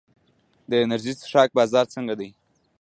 د انرژي څښاک بازار څنګه دی؟